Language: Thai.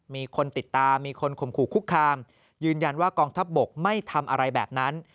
มีคนติดตามมีคนข่มขู่คุกคามยืนยันว่ากองทัพบกไม่ทำอะไรแบบนั้น